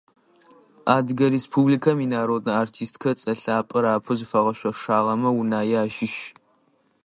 Адыгэ Республикэм инароднэ артисткэ цӀэ лъапӀэр апэу зыфагъэшъошагъэмэ Унае ащыщ.